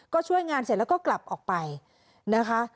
ก็ช่วยงานเสร็จแล้วก็กลับออกไปนะคะ